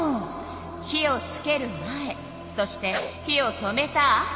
火をつける前そして火を止めたあと。